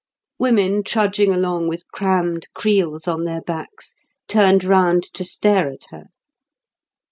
Women trudging along with crammed creels on their backs turned round to stare at her.